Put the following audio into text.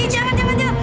ih jangan jangan jangan